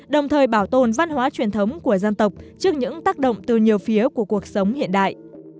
đồng thời bảo tồn văn hóa truyền thống của dân tộc trước những tác động từ nhiều phía của cuộc sống hiện đại